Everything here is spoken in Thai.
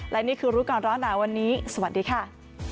และนี่คือรู้ก่อนร้อนหนาวันนี้สวัสดีค่ะ